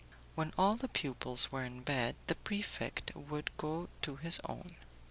When all the pupils were in bed, the prefect would go to his own.